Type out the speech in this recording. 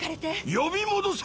呼び戻せ！